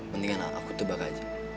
mendingan aku tebak aja